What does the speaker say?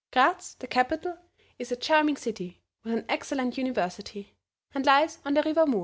Gratz, the capital, is a charming city with an excellent university, and lies on the River Mur.